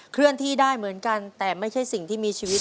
เคลื่อนที่ได้เหมือนกันแต่ไม่ใช่สิ่งที่มีชีวิต